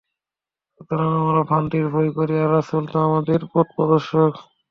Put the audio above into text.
সুতরাং আমরা ভ্রান্তির ভয় করি আর রাসূল তো আমাদের পথপ্রদর্শক।